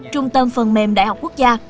trung tâm phần mềm đại học quốc gia